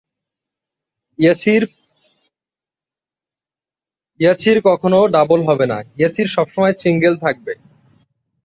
এই শহরে অনেক ব্যাংক ও কর্পোরেশনের সদর দপ্তর অবস্থিত।